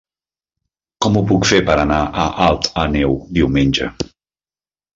Com ho puc fer per anar a Alt Àneu diumenge?